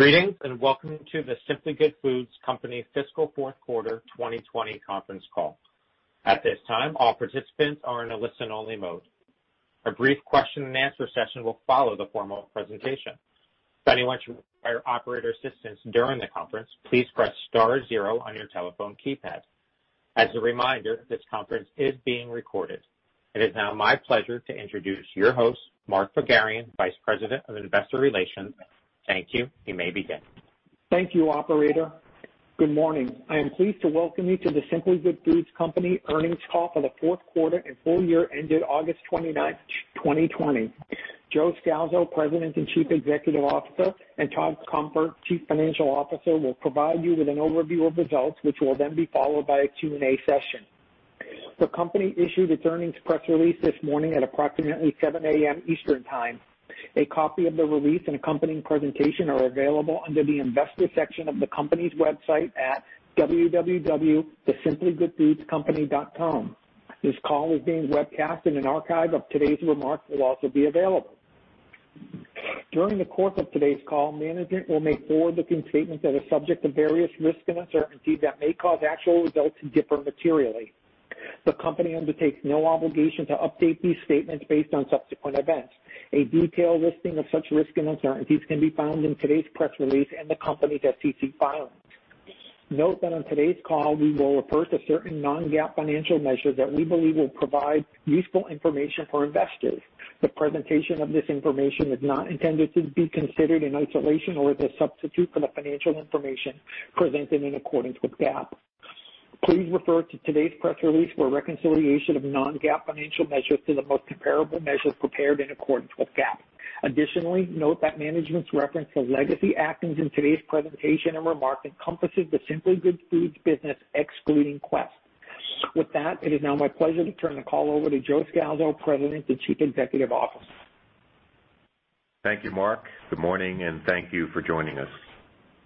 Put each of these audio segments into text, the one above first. Greetings, and welcome to The Simply Good Foods Company fiscal fourth quarter 2020 conference call. At this time, all participants are in a listen-only mode. A brief question and answer session will follow the formal presentation. If anyone should require operator assistance during the conference, please press star zero on your telephone keypad. As a reminder, this conference is being recorded. It is now my pleasure to introduce your host, Mark Pogharian, Vice President of Investor Relations. Thank you. You may begin. Thank you, operator. Good morning. I am pleased to welcome you to The Simply Good Foods Company earnings call for the fourth quarter and full year ended August 29th, 2020. Joe Scalzo, President and Chief Executive Officer, and Todd Cunfer, Chief Financial Officer, will provide you with an overview of results, which will then be followed by a Q&A session. The company issued its earnings press release this morning at approximately 7:00 a.m. Eastern Time. A copy of the release and accompanying presentation are available under the investor section of the company's website at www.thesimplygoodfoodscompany.com. This call is being webcast and an archive of today's remarks will also be available. During the course of today's call, management will make forward-looking statements that are subject to various risks and uncertainties that may cause actual results to differ materially. The company undertakes no obligation to update these statements based on subsequent events. A detailed listing of such risks and uncertainties can be found in today's press release and the company's SEC filings. Note that on today's call, we will refer to certain non-GAAP financial measures that we believe will provide useful information for investors. The presentation of this information is not intended to be considered in isolation or as a substitute for the financial information presented in accordance with GAAP. Please refer to today's press release for a reconciliation of non-GAAP financial measures to the most comparable measures prepared in accordance with GAAP. Additionally, note that management's reference to Legacy Atkins in today's presentation and remarks encompasses the Simply Good Foods business, excluding Quest. With that, it is now my pleasure to turn the call over to Joe Scalzo, President and Chief Executive Officer. Thank you, Mark. Good morning, and thank you for joining us.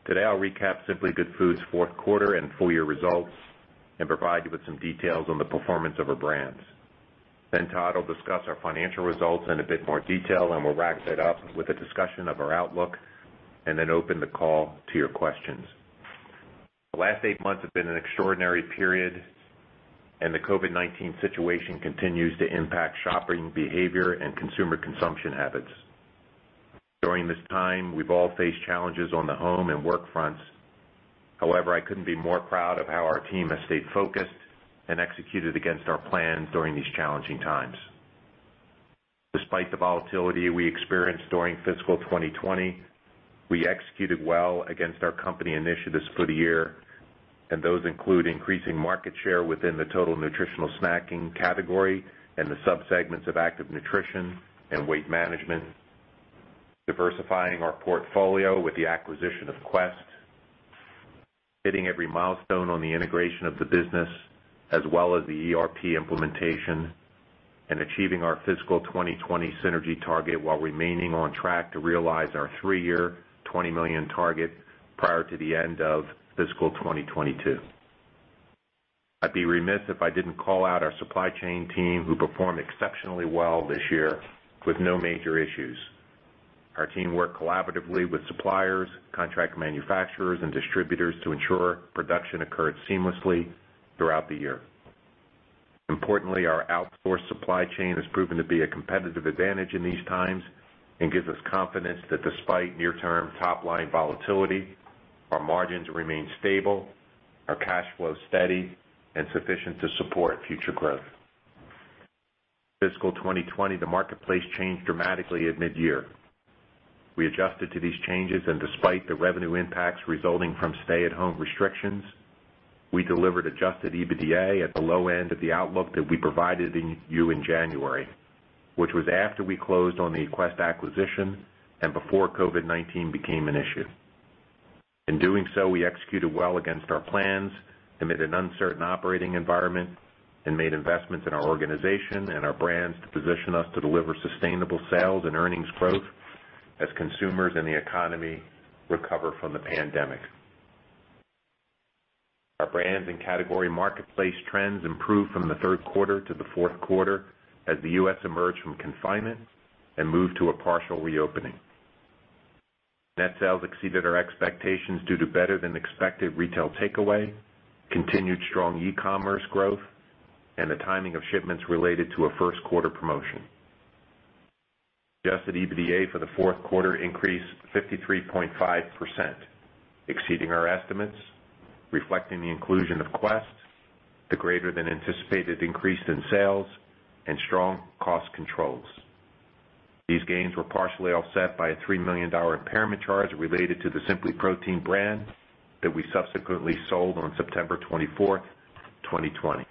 Today, I'll recap Simply Good Foods' fourth quarter and full-year results and provide you with some details on the performance of our brands. Todd Cunfer will discuss our financial results in a bit more detail, and we'll wrap it up with a discussion of our outlook and then open the call to your questions. The last eight months have been an extraordinary period, and the COVID-19 situation continues to impact shopping behavior and consumer consumption habits. During this time, we've all faced challenges on the home and work fronts. I couldn't be more proud of how our team has stayed focused and executed against our plans during these challenging times. Despite the volatility we experienced during fiscal 2020, we executed well against our company initiatives for the year, and those include increasing market share within the total nutritional snacking category and the subsegments of active nutrition and weight management, diversifying our portfolio with the acquisition of Quest, hitting every milestone on the integration of the business, as well as the ERP implementation, and achieving our fiscal 2020 synergy target while remaining on track to realize our three-year, $20 million target prior to the end of fiscal 2022. I'd be remiss if I didn't call out our supply chain team, who performed exceptionally well this year with no major issues. Our team worked collaboratively with suppliers, contract manufacturers, and distributors to ensure production occurred seamlessly throughout the year. Importantly, our outsourced supply chain has proven to be a competitive advantage in these times and gives us confidence that despite near-term top-line volatility, our margins remain stable, our cash flow steady and sufficient to support future growth. Fiscal 2020, the marketplace changed dramatically at mid-year. We adjusted to these changes, and despite the revenue impacts resulting from stay-at-home restrictions, we delivered adjusted EBITDA at the low end of the outlook that we provided you in January, which was after we closed on the Quest acquisition and before COVID-19 became an issue. In doing so, we executed well against our plans amid an uncertain operating environment and made investments in our organization and our brands to position us to deliver sustainable sales and earnings growth as consumers and the economy recover from the pandemic. Our brands and category marketplace trends improved from the third quarter to the fourth quarter as the U.S. emerged from confinement and moved to a partial reopening. Net sales exceeded our expectations due to better-than-expected retail takeaway, continued strong e-commerce growth, and the timing of shipments related to a first-quarter promotion. Adjusted EBITDA for the fourth quarter increased 53.5%, exceeding our estimates, reflecting the inclusion of Quest, the greater than anticipated increase in sales, and strong cost controls. These gains were partially offset by a $3 million impairment charge related to the SimplyProtein brand that we subsequently sold on September 24, 2020.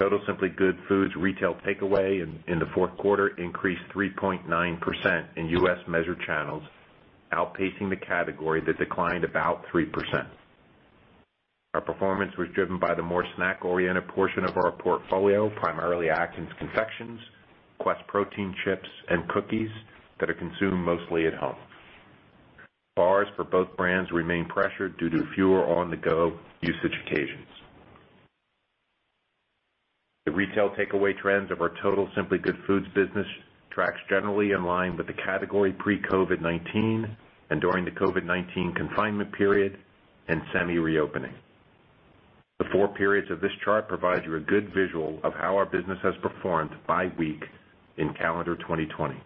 Total Simply Good Foods retail takeaway in the fourth quarter increased 3.9% in U.S. measured channels, outpacing the category that declined about 3%. Our performance was driven by the more snack-oriented portion of our portfolio, primarily Atkins confections, Quest Protein Chips and cookies that are consumed mostly at home. Bars for both brands remain pressured due to fewer on-the-go usage occasions. The retail takeaway trends of our total Simply Good Foods business tracks generally in line with the category pre-COVID-19 and during the COVID-19 confinement period and semi-reopening. The four periods of this chart provide you a good visual of how our business has performed by week in calendar 2020.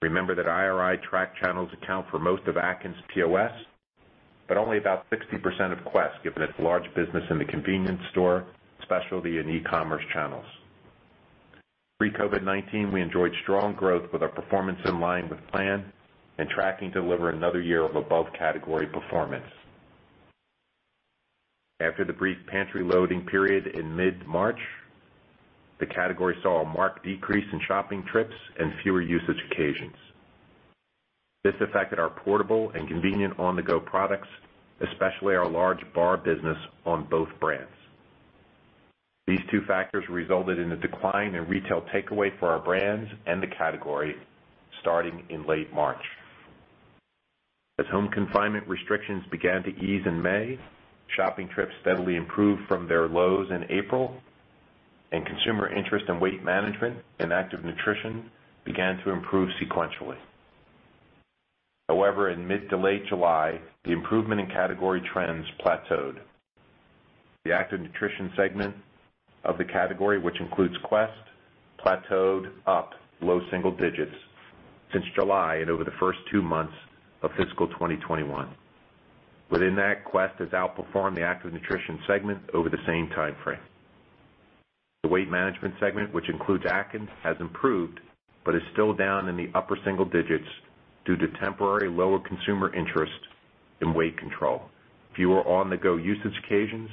Remember that IRI track channels account for most of Atkins POS, but only about 60% of Quest, given its large business in the convenience store, specialty, and e-commerce channels. Pre-COVID-19, we enjoyed strong growth with our performance in line with plan and tracking to deliver another year of above-category performance. After the brief pantry loading period in mid-March, the category saw a marked decrease in shopping trips and fewer usage occasions. This affected our portable and convenient on-the-go products, especially our large bar business on both brands. These two factors resulted in a decline in retail takeaway for our brands and the category starting in late March. As home confinement restrictions began to ease in May, shopping trips steadily improved from their lows in April, and consumer interest in weight management and active nutrition began to improve sequentially. In mid to late July, the improvement in category trends plateaued. The active nutrition segment of the category, which includes Quest, plateaued up low single digits since July and over the first two months of fiscal 2021. Within that, Quest has outperformed the active nutrition segment over the same timeframe. The weight management segment, which includes Atkins, has improved but is still down in the upper single digits due to temporary lower consumer interest in weight control, fewer on-the-go usage occasions,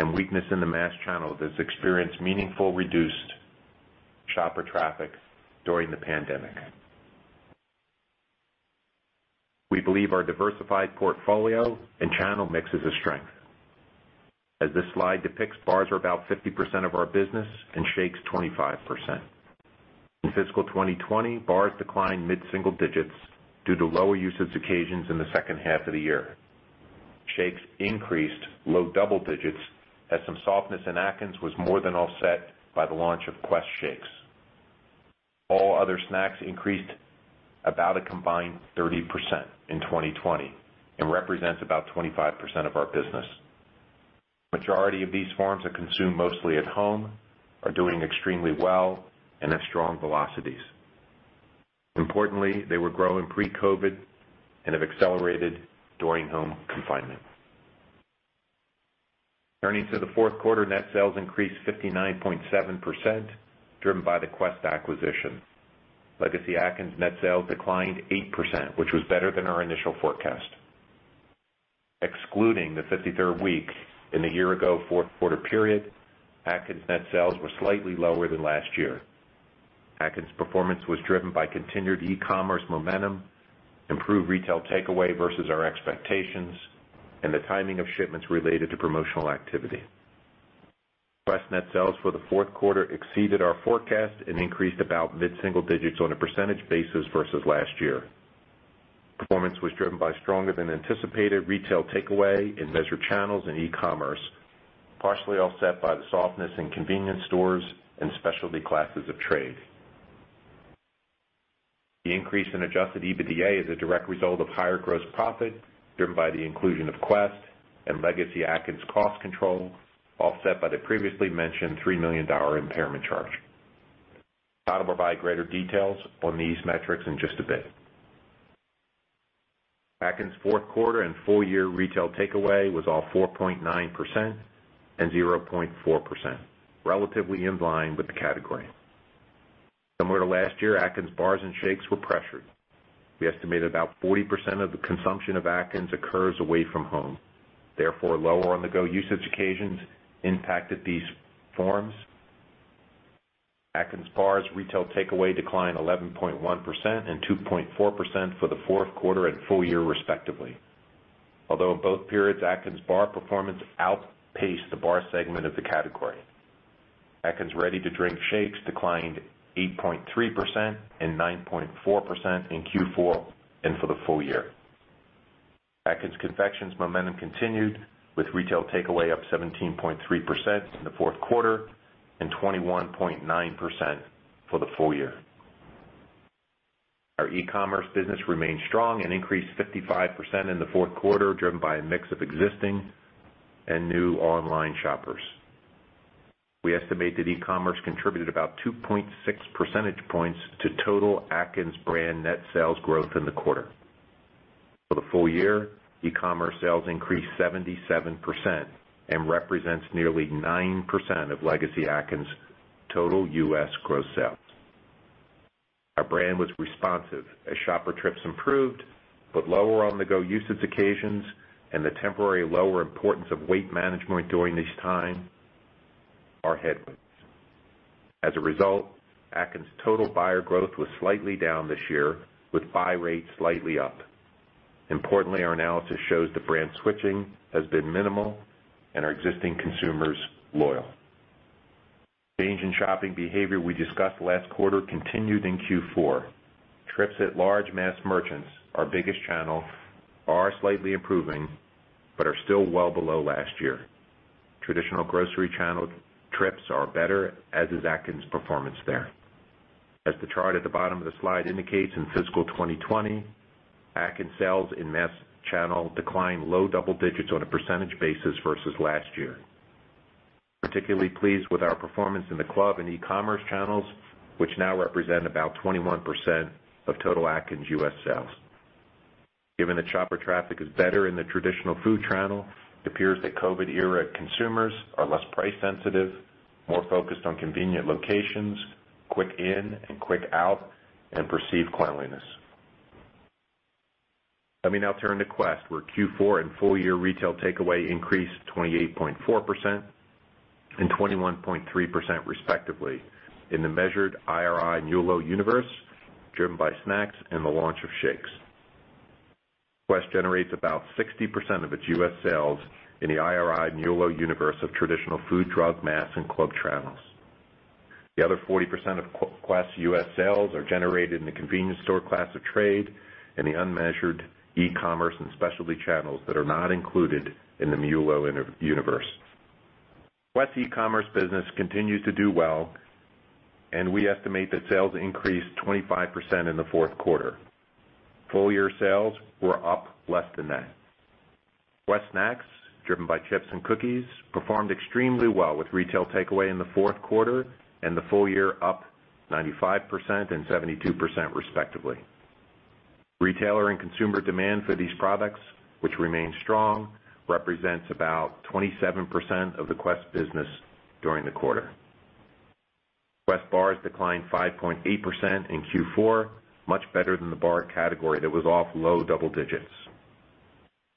and weakness in the mass channel that has experienced meaningful reduced shopper traffic during the pandemic. We believe our diversified portfolio and channel mix is a strength. As this slide depicts, bars are about 50% of our business and shakes 25%. In fiscal 2020, bars declined mid-single digits due to lower usage occasions in the second half of the year. Shakes increased low double digits as some softness in Atkins was more than offset by the launch of Quest Shakes. All other snacks increased about a combined 30% in 2020 and represents about 25% of our business. Majority of these forms are consumed mostly at home, are doing extremely well, and have strong velocities. Importantly, they were growing pre-COVID and have accelerated during home confinement. Turning to the fourth quarter, net sales increased 59.7%, driven by the Quest acquisition. Legacy Atkins net sales declined 8%, which was better than our initial forecast. Excluding the 53rd week in the year ago fourth quarter period, Atkins net sales were slightly lower than last year. Atkins' performance was driven by continued e-commerce momentum, improved retail takeaway versus our expectations, and the timing of shipments related to promotional activity. Quest net sales for the fourth quarter exceeded our forecast and increased about mid-single digits on a percentage basis versus last year. Performance was driven by stronger than anticipated retail takeaway in measured channels and e-commerce, partially offset by the softness in convenience stores and specialty classes of trade. The increase in adjusted EBITDA is a direct result of higher gross profit driven by the inclusion of Quest and Legacy Atkins cost control, offset by the previously mentioned $3 million impairment charge. I'll provide greater details on these metrics in just a bit. Atkins' fourth quarter and full year retail takeaway was off 4.9% and 0.4%, relatively in line with the category. Similar to last year, Atkins bars and shakes were pressured. We estimate about 40% of the consumption of Atkins occurs away from home. Therefore, lower on-the-go usage occasions impacted these forms. Atkins bars retail takeaway declined 11.1% and 2.4% for the fourth quarter and full year respectively. Although in both periods, Atkins bar performance outpaced the bar segment of the category. Atkins ready-to-drink shakes declined 8.3% and 9.4% in Q4 and for the full year. Atkins confections momentum continued with retail takeaway up 17.3% in the fourth quarter and 21.9% for the full year. Our e-commerce business remained strong and increased 55% in the fourth quarter, driven by a mix of existing and new online shoppers. We estimate that e-commerce contributed about 2.6 percentage points to total Atkins brand net sales growth in the quarter. For the full year, e-commerce sales increased 77% and represents nearly 9% of Legacy Atkins' total U.S. gross sales. Our brand was responsive as shopper trips improved, but lower on-the-go usage occasions and the temporary lower importance of weight management during this time are headwinds. As a result, Atkins' total buyer growth was slightly down this year, with buy rate slightly up. Importantly, our analysis shows the brand switching has been minimal and our existing consumers loyal. Change in shopping behavior we discussed last quarter continued in Q4. Trips at large mass merchants, our biggest channel, are slightly improving but are still well below last year. Traditional grocery channel trips are better, as is Atkins' performance there. As the chart at the bottom of the slide indicates, in fiscal 2020, Atkins sales in mass channel declined low double digits on a percentage basis versus last year. Particularly pleased with our performance in the club and e-commerce channels, which now represent about 21% of total Atkins U.S. sales. Given that shopper traffic is better in the traditional food channel, it appears that COVID-era consumers are less price sensitive, more focused on convenient locations, quick in and quick out, and perceived cleanliness. Let me now turn to Quest, where Q4 and full year retail takeaway increased 28.4% and 21.3% respectively in the measured IRI/Nielsen universe, driven by snacks and the launch of shakes. Quest generates about 60% of its U.S. sales in the IRI/Nielsen universe of traditional food, drug, mass, and club channels. The other 40% of Quest's U.S. sales are generated in the convenience store class of trade and the unmeasured e-commerce and specialty channels that are not included in the Nielsen universe. Quest e-commerce business continues to do well, and we estimate that sales increased 25% in the fourth quarter. Full-year sales were up less than that. Quest snacks, driven by chips and cookies, performed extremely well with retail takeaway in the fourth quarter, and the full year up 95% and 72% respectively. Retailer and consumer demand for these products, which remains strong, represents about 27% of the Quest business during the quarter. Quest bars declined 5.8% in Q4, much better than the bar category that was off low double digits.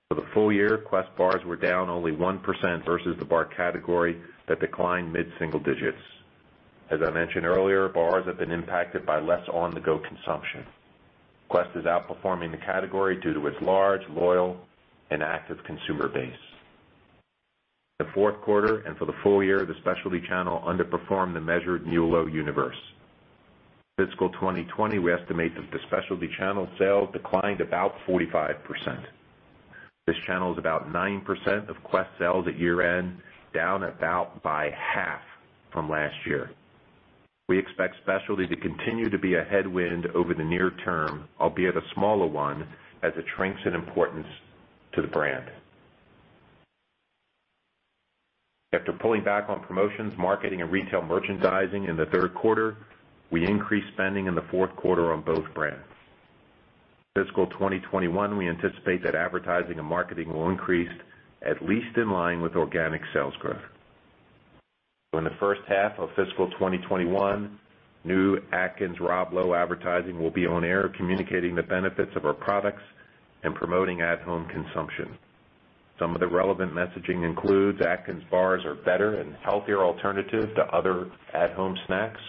For the full year, Quest bars were down only 1% versus the bar category that declined mid-single digits. As I mentioned earlier, bars have been impacted by less on-the-go consumption. Quest is outperforming the category due to its large, loyal, and active consumer base. In the fourth quarter and for the full year, the specialty channel underperformed the measured Nielsen universe. Fiscal 2020, we estimate that the specialty channel sales declined about 45%. This channel is about 9% of Quest sales at year-end, down about by half from last year. We expect specialty to continue to be a headwind over the near term, albeit a smaller one, as it shrinks in importance to the brand. After pulling back on promotions, marketing, and retail merchandising in the third quarter, we increased spending in the fourth quarter on both brands. Fiscal 2021, we anticipate that advertising and marketing will increase at least in line with organic sales growth. In the first half of fiscal 2021, new Atkins/Rob Lowe advertising will be on air, communicating the benefits of our products and promoting at-home consumption. Some of the relevant messaging includes Atkins bars are better and healthier alternative to other at-home snacks,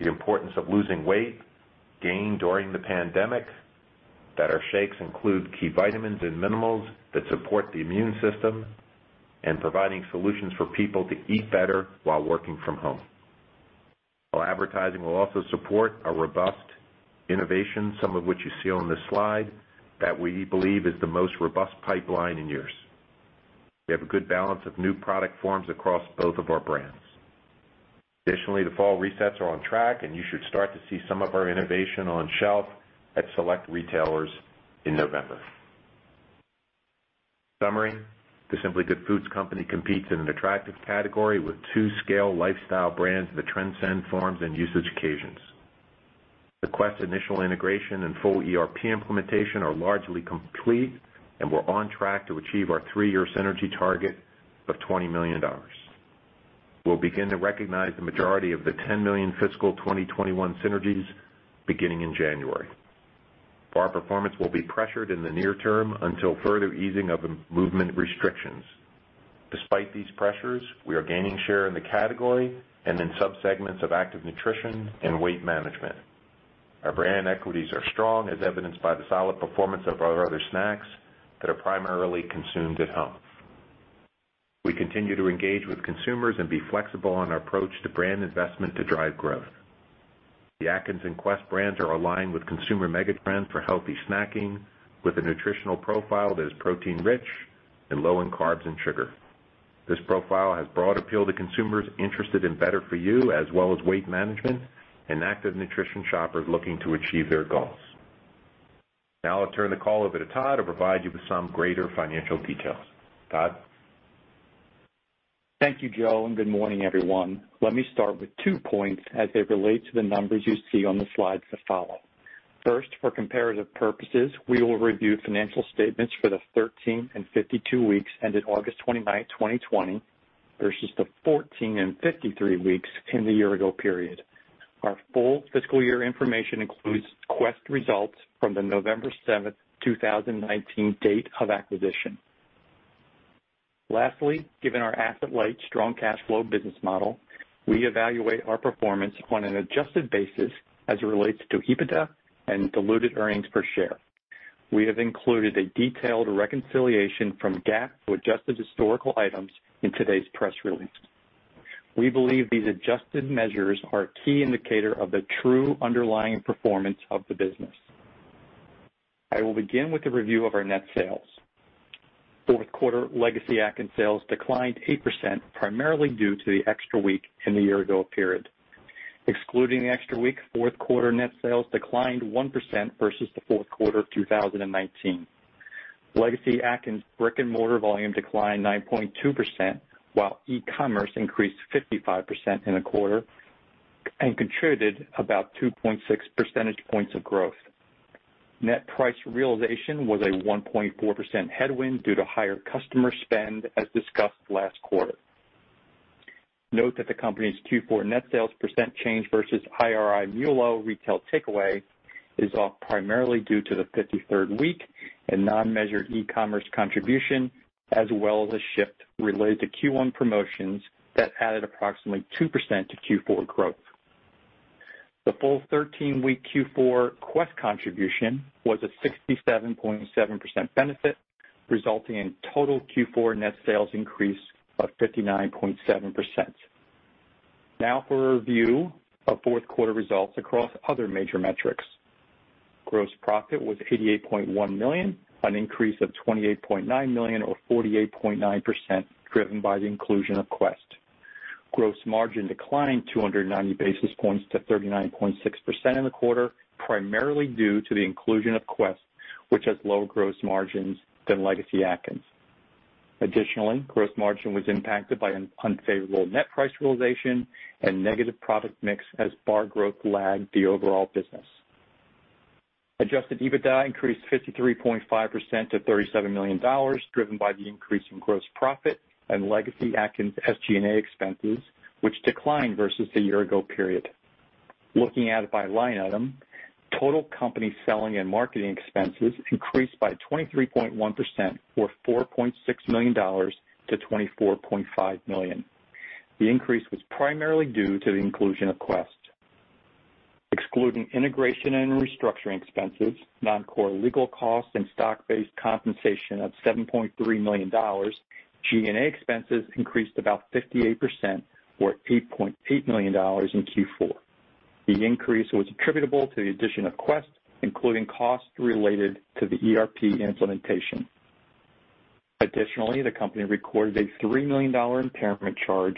the importance of losing weight gained during the pandemic, that our shakes include key vitamins and minerals that support the immune system, and providing solutions for people to eat better while working from home. Our advertising will also support a robust innovation, some of which you see on this slide, that we believe is the most robust pipeline in years. We have a good balance of new product forms across both of our brands. Additionally, the fall resets are on track, and you should start to see some of our innovation on shelf at select retailers in November. Summary. The Simply Good Foods Company competes in an attractive category with two scale lifestyle brands that transcend forms and usage occasions. The Quest initial integration and full ERP implementation are largely complete, and we're on track to achieve our three-year synergy target of $20 million. We'll begin to recognize the majority of the $10 million fiscal 2021 synergies beginning in January. Bar performance will be pressured in the near term until further easing of movement restrictions. Despite these pressures, we are gaining share in the category and in subsegments of active nutrition and weight management. Our brand equities are strong, as evidenced by the solid performance of our other snacks that are primarily consumed at home. We continue to engage with consumers and be flexible on our approach to brand investment to drive growth. The Atkins and Quest brands are aligned with consumer mega trends for healthy snacking with a nutritional profile that is protein rich and low in carbs and sugar. This profile has broad appeal to consumers interested in better-for-you as well as weight management and active nutrition shoppers looking to achieve their goals. Now I'll turn the call over to Todd to provide you with some greater financial details. Todd? Thank you, Joe, and good morning, everyone. Let me start with two points as they relate to the numbers you see on the slides that follow. First, for comparative purposes, we will review financial statements for the 13 and 52 weeks ended August 29, 2020, versus the 14 and 53 weeks in the year-ago period. Our full fiscal year information includes Quest results from the November 7, 2019, date of acquisition. Lastly, given our asset-light strong cash flow business model, we evaluate our performance on an adjusted basis as it relates to EBITDA and diluted earnings per share. We have included a detailed reconciliation from GAAP to adjusted historical items in today's press release. We believe these adjusted measures are a key indicator of the true underlying performance of the business. I will begin with a review of our net sales. Fourth quarter Legacy Atkins sales declined 8%, primarily due to the extra week in the year ago period. Excluding the extra week, fourth quarter net sales declined 1% versus the fourth quarter of 2019. Legacy Atkins' brick-and-mortar volume declined 9.2%, while e-commerce increased 55% in the quarter and contributed about 2.6 percentage points of growth. Net price realization was a 1.4% headwind due to higher customer spend as discussed last quarter. Note that the company's Q4 net sales percent change versus IRI MULO retail takeaway is off primarily due to the 53rd week and non-measured e-commerce contribution as well as a shift related to Q1 promotions that added approximately 2% to Q4 growth. The full 13-week Q4 Quest contribution was a 67.7% benefit, resulting in total Q4 net sales increase of 59.7%. Now for a review of fourth quarter results across other major metrics. Gross profit was $88.1 million, an increase of $28.9 million or 48.9%, driven by the inclusion of Quest. Gross margin declined 290 basis points to 39.6% in the quarter, primarily due to the inclusion of Quest, which has lower gross margins than legacy Atkins. Additionally, gross margin was impacted by an unfavorable net price realization and negative product mix as bar growth lagged the overall business. Adjusted EBITDA increased 53.5%-$37 million, driven by the increase in gross profit and legacy Atkins SG&A expenses, which declined versus the year ago period. Looking at it by line item, total company selling and marketing expenses increased by 23.1% or $4.6 million-$24.5 million. The increase was primarily due to the inclusion of Quest. Excluding integration and restructuring expenses, non-core legal costs, and stock-based compensation of $7.3 million, G&A expenses increased about 58% or $8.8 million in Q4. The increase was attributable to the addition of Quest, including costs related to the ERP implementation. Additionally, the company recorded a $3 million impairment charge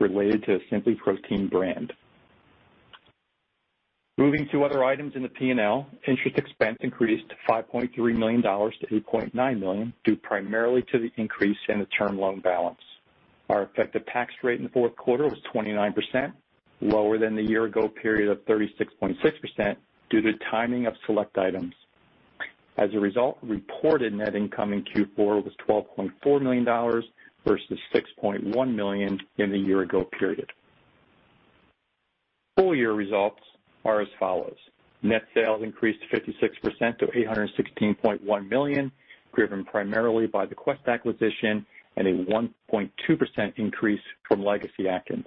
related to the SimplyProtein brand. Moving to other items in the P&L, interest expense increased to $5.3 million-$8.9 million due primarily to the increase in the term loan balance. Our effective tax rate in the fourth quarter was 29%, lower than the year ago period of 36.6% due to timing of select items. As a result, reported net income in Q4 was $12.4 million versus $6.1 million in the year ago period. Full year results are as follows. Net sales increased 56% to $816.1 million, driven primarily by the Quest acquisition and a 1.2% increase from Legacy Atkins.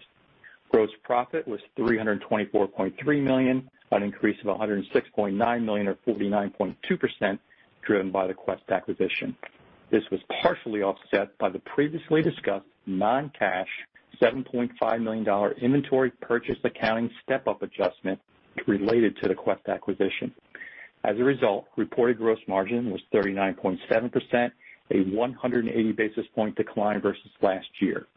Gross profit was $324.3 million, an increase of $106.9 million or 49.2%, driven by the Quest acquisition. This was partially offset by the previously discussed non-cash $7.5 million inventory purchase accounting step-up adjustment related to the Quest acquisition. As a result, reported gross margin was 39.7%, a 180 basis point decline versus last year.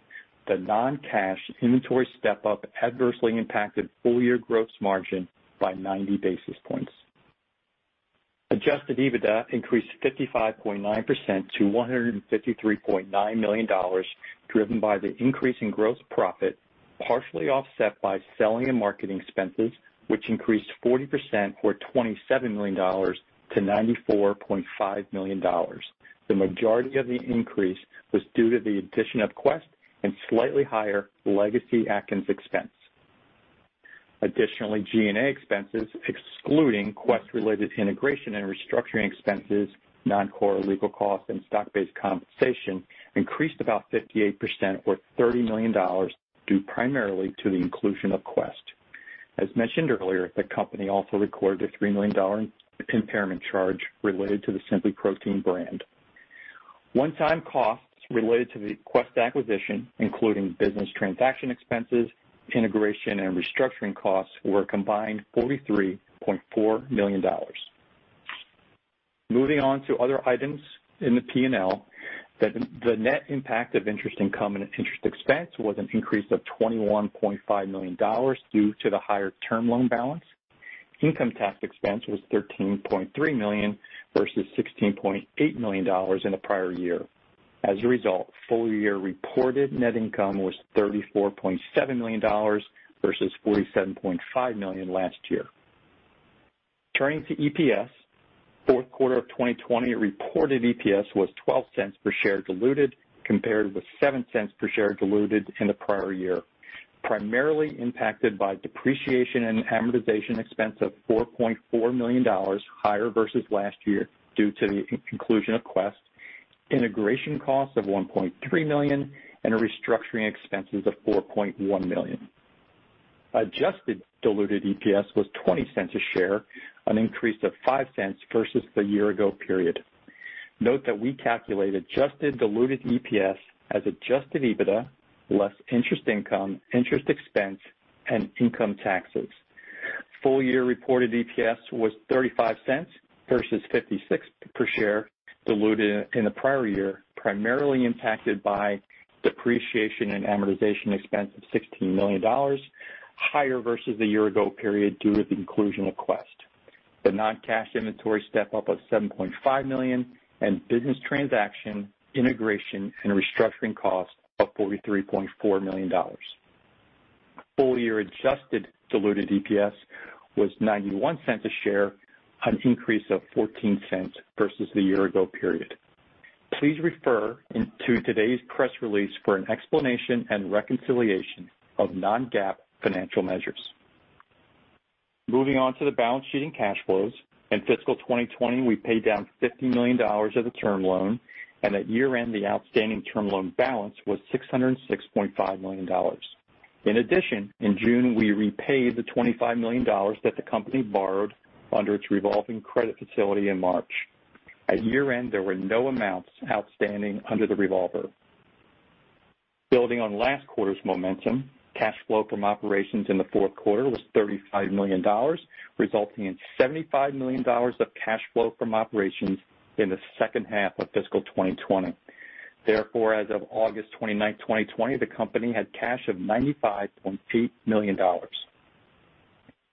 The non-cash inventory step-up adversely impacted full year gross margin by 90 basis points. Adjusted EBITDA increased 55.9%-$153.9 million, driven by the increase in gross profit, partially offset by selling and marketing expenses, which increased 40% or $27 million-$94.5 million. The majority of the increase was due to the addition of Quest and slightly higher legacy Atkins expense. Additionally, G&A expenses excluding Quest-related integration and restructuring expenses, non-core legal costs, and stock-based compensation increased about 58% or $30 million due primarily to the inclusion of Quest. As mentioned earlier, the company also recorded a $3 million impairment charge related to the SimplyProtein brand. One-time costs related to the Quest acquisition, including business transaction expenses, integration and restructuring costs were a combined $43.4 million. Moving on to other items in the P&L, the net impact of interest income and interest expense was an increase of $21.5 million due to the higher term loan balance. Income tax expense was $13.3 million versus $16.8 million in the prior year. As a result, full year reported net income was $34.7 million versus $47.5 million last year. Turning to EPS, fourth quarter of 2020 reported EPS was $0.12 per share diluted compared with $0.07 per share diluted in the prior year. Primarily impacted by depreciation and amortization expense of $4.4 million higher versus last year due to the inclusion of Quest, integration costs of $1.3 million, and a restructuring expenses of $4.1 million. Adjusted diluted EPS was $0.20 a share, an increase of $0.05 versus the year ago period. Note that we calculate adjusted diluted EPS as adjusted EBITDA less interest income, interest expense, and income taxes. Full year reported EPS was $0.35 versus $0.56 per share diluted in the prior year, primarily impacted by depreciation and amortization expense of $16 million, higher versus the year ago period due to the inclusion of Quest, the non-cash inventory step up of $7.5 million and business transaction integration and restructuring costs of $43.4 million. Full year adjusted diluted EPS was $0.91 a share, an increase of $0.14 versus the year-ago period. Please refer to today's press release for an explanation and reconciliation of non-GAAP financial measures. Moving on to the balance sheet and cash flows. In fiscal 2020, we paid down $50 million of the term loan, and at year end, the outstanding term loan balance was $606.5 million. In addition, in June, we repaid the $25 million that the company borrowed under its revolving credit facility in March. At year end, there were no amounts outstanding under the revolver. Building on last quarter's momentum, cash flow from operations in the fourth quarter was $35 million, resulting in $75 million of cash flow from operations in the second half of fiscal 2020. Therefore, as of August 29, 2020, the company had cash of $95.2 million.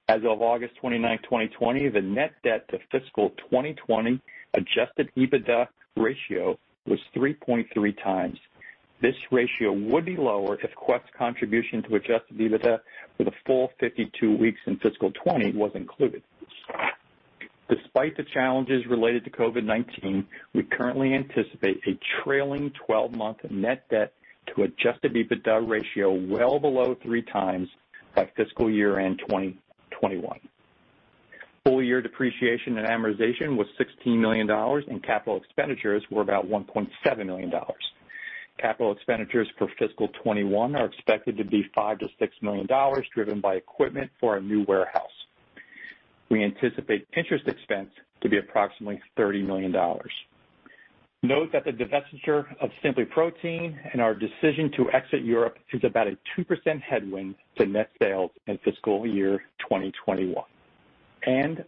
As of August 29, 2020, the net debt to fiscal 2020 adjusted EBITDA ratio was 3.3 times. This ratio would be lower if Quest's contribution to adjusted EBITDA for the full 52 weeks in fiscal 2020 was included. Despite the challenges related to COVID-19, we currently anticipate a trailing 12-month net debt to adjusted EBITDA ratio well below three times by fiscal year end 2021. Full year depreciation and amortization was $16 million, and capital expenditures were about $1.7 million. Capital expenditures for fiscal 2021 are expected to be $5 million-$6 million, driven by equipment for a new warehouse. We anticipate interest expense to be approximately $30 million. Note that the divestiture of SimplyProtein and our decision to exit Europe is about a 2% headwind to net sales in fiscal year 2021.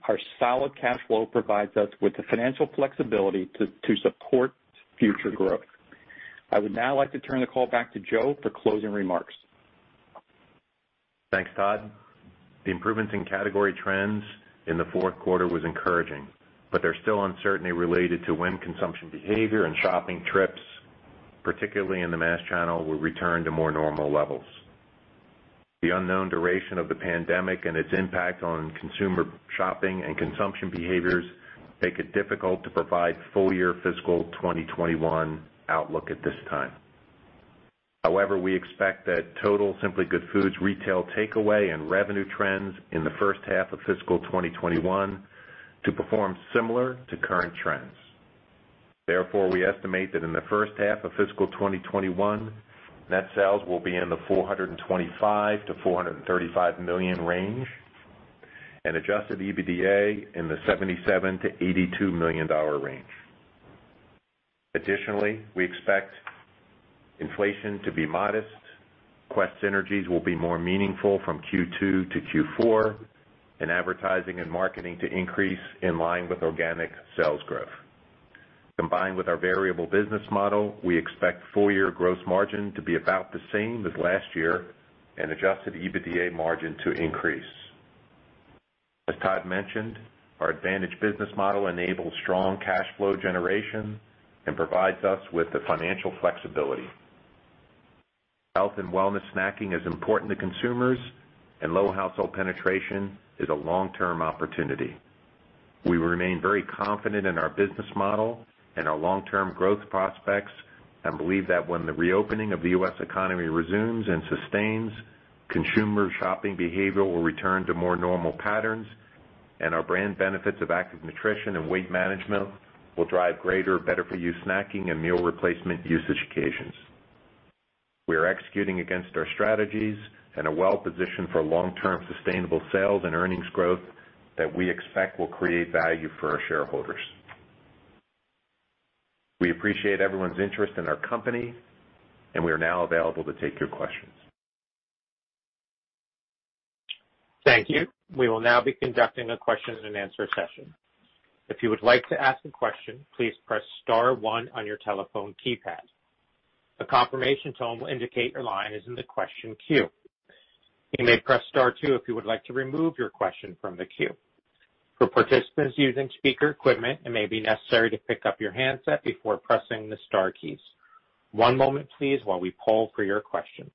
Our solid cash flow provides us with the financial flexibility to support future growth. I would now like to turn the call back to Joe for closing remarks. Thanks, Todd. The improvements in category trends in the fourth quarter was encouraging, but there's still uncertainty related to when consumption behavior and shopping trips, particularly in the mass channel, will return to more normal levels. The unknown duration of the pandemic and its impact on consumer shopping and consumption behaviors make it difficult to provide full year fiscal 2021 outlook at this time. However, we expect that total Simply Good Foods retail takeaway and revenue trends in the first half of fiscal 2021 to perform similar to current trends. Therefore, we estimate that in the first half of fiscal 2021, net sales will be in the $425 million-$435 million range and adjusted EBITDA in the $77 million-$82 million range. Additionally, we expect inflation to be modest, Quest synergies will be more meaningful from Q2 to Q4, and advertising and marketing to increase in line with organic sales growth. Combined with our variable business model, we expect full year gross margin to be about the same as last year and adjusted EBITDA margin to increase. As Todd mentioned, our advantage business model enables strong cash flow generation and provides us with the financial flexibility. Health and wellness snacking is important to consumers, and low household penetration is a long-term opportunity. We remain very confident in our business model and our long-term growth prospects and believe that when the reopening of the U.S. economy resumes and sustains, consumer shopping behavior will return to more normal patterns, and our brand benefits of active nutrition and weight management will drive greater better-for-you snacking and meal replacement usage occasions. We are executing against our strategies and are well positioned for long-term sustainable sales and earnings growth that we expect will create value for our shareholders. We appreciate everyone's interest in our company, and we are now available to take your questions. Thank you. We would now begin the attendance of question and answer session, if you would like to ask a question please press star one on your telephone keypad, a confirmation tone will indicate your line is in the question queue. You may press star two if you would like to remove your question from the queue, for participants using speaker equipment it may be necessary to pick up your handset if you are pressing the star key. One moment please while will poll for your questions.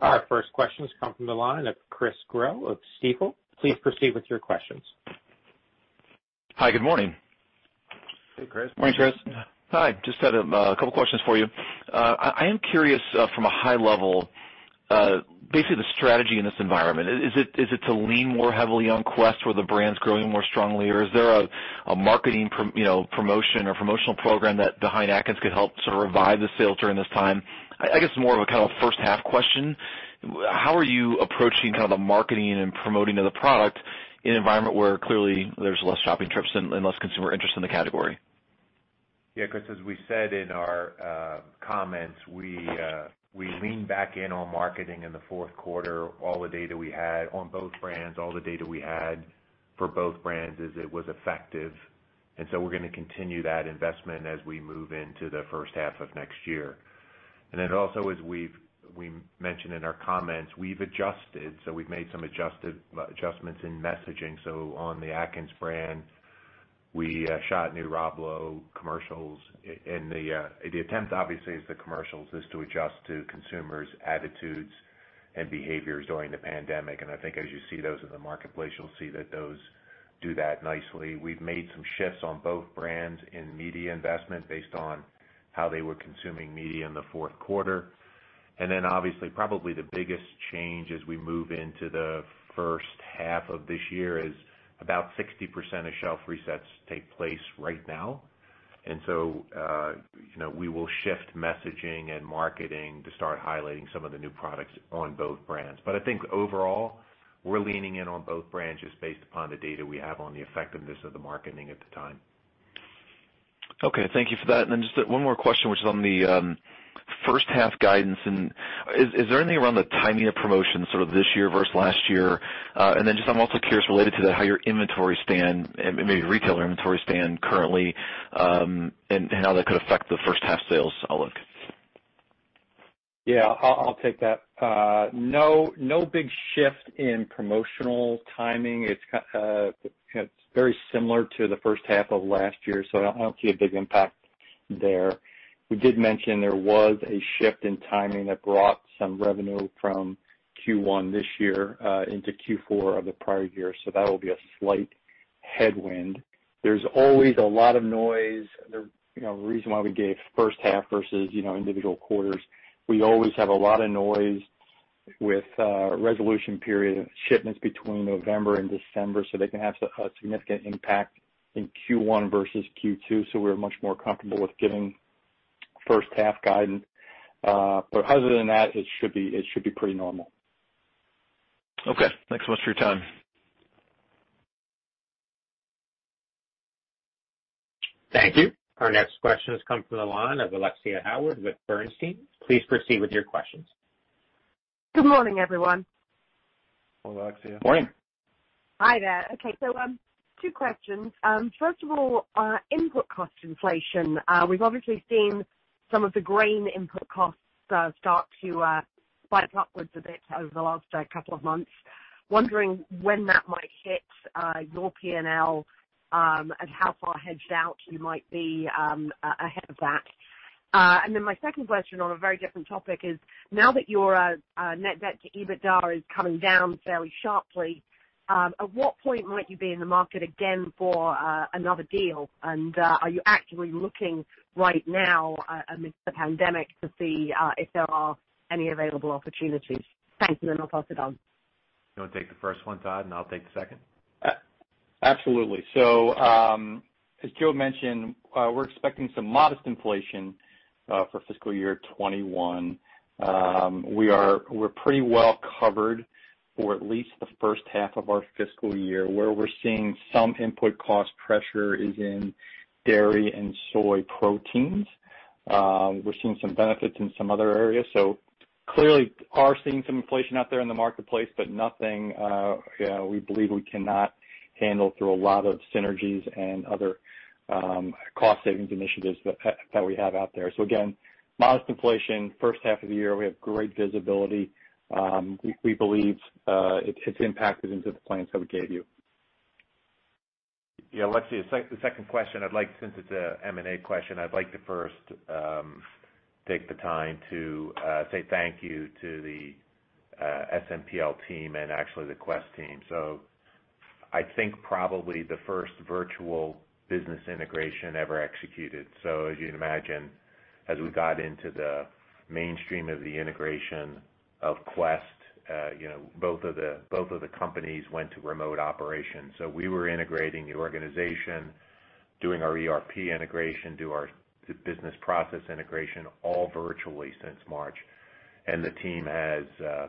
Our first question has come from the line of Chris Growe of Stifel. Please proceed with your questions. Hi, good morning. Hey, Chris. Morning, Chris. Hi, just had a couple questions for you. I am curious from a high levelBasically the strategy in this environment. Is it to lean more heavily on Quest where the brand's growing more strongly, or is there a marketing promotion or promotional program that behind Atkins could help sort of revive the sales during this time? I guess more of a kind of first-half question. How are you approaching kind of the marketing and promoting of the product in an environment where clearly there's less shopping trips and less consumer interest in the category? Chris Growe, as we said in our comments, we leaned back in on marketing in the fourth quarter. All the data we had on both brands, all the data we had for both brands is it was effective, and so we're going to continue that investment as we move into the first half of next year. Also, as we mentioned in our comments, we've made some adjustments in messaging. On the Atkins brand, we shot new Rob Lowe commercials and the attempt, obviously, as the commercials, is to adjust to consumers' attitudes and behaviors during the pandemic. I think as you see those in the marketplace, you'll see that those do that nicely. We've made some shifts on both brands in media investment based on how they were consuming media in the fourth quarter. Obviously, probably the biggest change as we move into the first half of this year is about 60% of shelf resets take place right now. We will shift messaging and marketing to start highlighting some of the new products on both brands. I think overall, we're leaning in on both brands just based upon the data we have on the effectiveness of the marketing at the time. Okay. Thank you for that. Just one more question, which is on the first half guidance. Is there anything around the timing of promotions sort of this year versus last year? I'm also curious related to that, how your inventory stand, maybe retailer inventory stand currently, and how that could affect the first half sales outlook. Yeah, I'll take that. No big shift in promotional timing. It's very similar to the first half of last year. I don't see a big impact there. We did mention there was a shift in timing that brought some revenue from Q1 this year into Q4 of the prior year. That'll be a slight headwind. There's always a lot of noise. The reason why we gave first half versus individual quarters, we always have a lot of noise with resolution period shipments between November and December. They can have a significant impact in Q1 versus Q2. We're much more comfortable with giving first half guidance. Other than that, it should be pretty normal. Okay. Thanks so much for your time. Thank you. Our next question comes from the line of Alexia Howard with Bernstein. Please proceed with your questions. Good morning, everyone. Hello, Alexia. Morning. Hi there. Okay, two questions. First of all, input cost inflation. We've obviously seen some of the grain input costs start to spike upwards a bit over the last couple of months. Wondering when that might hit your P&L, and how far hedged out you might be ahead of that. My second question on a very different topic is, now that your net debt to EBITDA is coming down fairly sharply, at what point might you be in the market again for another deal? Are you actively looking right now amidst the pandemic to see if there are any available opportunities? Thanks, I'll pass it on. You want to take the first one, Todd, and I'll take the second? Absolutely. As Joe mentioned, we're expecting some modest inflation for fiscal year 2021. We're pretty well covered for at least the first half of our fiscal year. Where we're seeing some input cost pressure is in dairy and soy proteins. We're seeing some benefits in some other areas. Clearly are seeing some inflation out there in the marketplace, but nothing we believe we cannot handle through a lot of synergies and other cost savings initiatives that we have out there. Again, modest inflation first half of the year. We have great visibility. We believe it's impacted into the plans that we gave you. Alexia, the second question, since it's an M&A question, I'd like to first take the time to say thank you to the SMPL team and actually the Quest team. I think probably the first virtual business integration ever executed. As you'd imagine, as we got into the mainstream of the integration of Quest, both of the companies went to remote operations. We were integrating the organization, doing our ERP integration, doing our business process integration, all virtually since March, and the team has